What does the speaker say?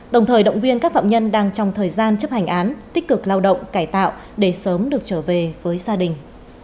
đồng thời động viên các phạm nhân đang trong thời gian chấp hành án tích cực lao động cải tạo để sớm được trở về với gia đình